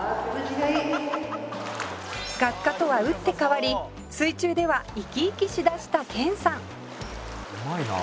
「学科とは打って変わり水中では生き生きしだした研さん」「うまいな」